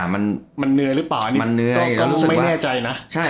มันเหนื่อยหรือเปล่าต้องไม่แน่ใจนะ